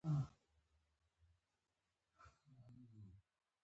د مایع هغه برخه چې کثافت یې لږ وي پورته ځي.